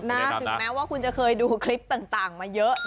ถึงแม้ว่าคุณจะเคยดูคลิปต่างมาเยอะ